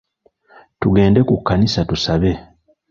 Tugende ku kkanisa tusabe.